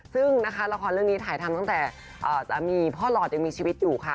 ซึ่งนะคะละครเรื่องนี้ถ่ายทำตั้งแต่สามีพ่อหลอดยังมีชีวิตอยู่ค่ะ